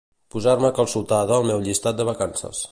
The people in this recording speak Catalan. Posar-me calçotada al meu llistat de vacances.